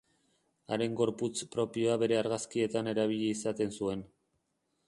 Haren gorputz propioa bere argazkietan erabili izaten zuen.